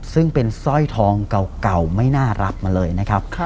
ซึ่งเป็นสร้อยทองเก่าไม่น่ารับมาเลยนะครับ